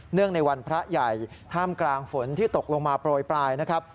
ในวันพระใหญ่ท่ามกลางฝนที่ตกลงมาโปรยปลายนะครับ